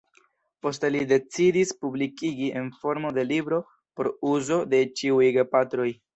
Poste li decidis publikigi en formo de libro por uzo de ĉiuj gepatroj.